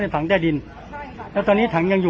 อ๋อหมายถึงถามคนในบ้านทุกคนเลย